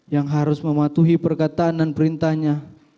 yang harus mematuhi perkataan dan perintahnya